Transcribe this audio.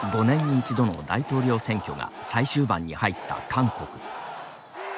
５年に１度の大統領選挙が最終盤に入った韓国。